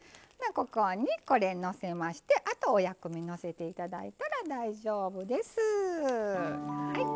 ここに、のせましてあと、薬味をのせていただいたら大丈夫です。